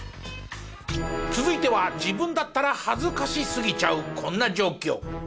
続いては自分だったら恥ずかしすぎちゃうこんな状況。